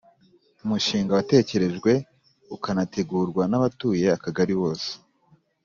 umushinga watekerejwe ukanategurwa n'abatuye akagari bose